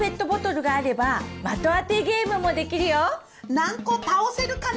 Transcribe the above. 何個倒せるかな？